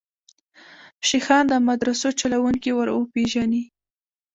شیخان د مدرسو چلوونکي وروپېژني.